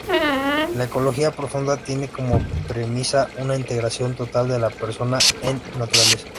La ecología profunda tiene como premisa una integración total de la persona-en-naturaleza.